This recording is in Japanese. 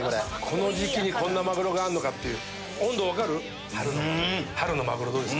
この時期にこんなマグロがあるのかっていう。